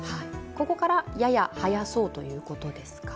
ここから、やや早そうということですか？